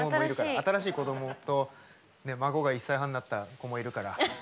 新しい子どもと孫が１歳半になった子もいるから。